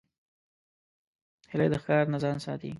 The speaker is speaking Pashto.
هیلۍ د ښکار نه ځان ساتي